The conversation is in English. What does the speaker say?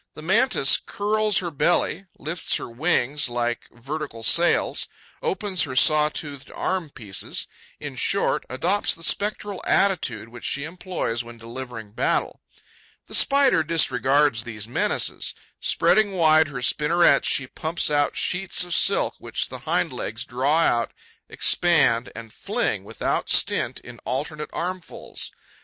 The Mantis curls her belly; lifts her wings like vertical sails; opens her saw toothed arm pieces; in short, adopts the spectral attitude which she employs when delivering battle. The Spider disregards these menaces. Spreading wide her spinnerets, she pumps out sheets of silk which the hind legs draw out, expand and fling without stint in alternate armfuls.